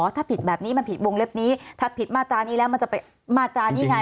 ถ้าผิดแบบนี้มันผิดวงเล็บนี้ถ้าผิดมาตรานี้แล้วมันจะไปมาตรานี้ไง